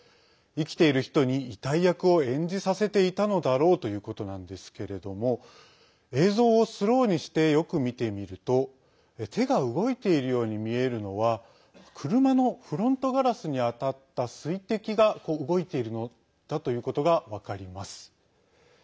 生きている人に遺体役を演じさせていたのだろうということなんですけれども映像をスローにしてよく見てみると手が動いているように見えるのは車のフロントガラスに当たった水滴が動いているのだということが分かります。